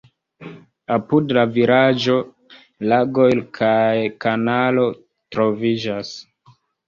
Apud la vilaĝo lagoj kaj kanalo troviĝas.